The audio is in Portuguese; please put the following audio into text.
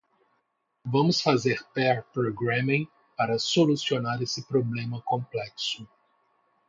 Vamos fazer pair programming para solucionar esse problema complexo.